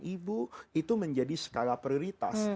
ibu itu menjadi skala prioritas